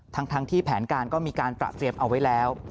ทั้งที่แผนการก็มีการตระเตรียมเอาไว้แล้ว